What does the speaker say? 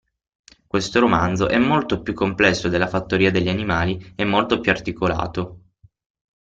Questo romanzo è molto più complesso della Fattoria degli animali e molto più articolato.